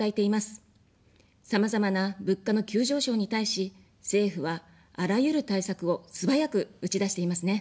さまざまな物価の急上昇に対し、政府は、あらゆる対策を素早く打ち出していますね。